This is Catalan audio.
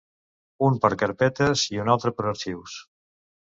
Un per carpetes i un altre per arxius.